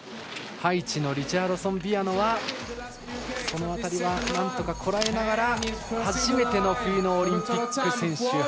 ハイチのリチャードソン・ビアノはその辺りはなんとかこらえながら初めての冬のオリンピック選手。